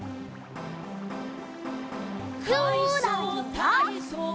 「かいそうたいそう」